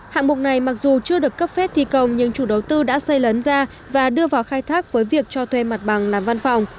hạng mục này mặc dù chưa được cấp phép thi công nhưng chủ đầu tư đã xây lấn ra và đưa vào khai thác với việc cho thuê mặt bằng làm văn phòng